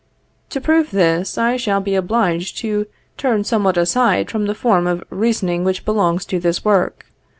To prove this, I shall be obliged to turn somewhat aside from the form of reasoning which belongs to this work.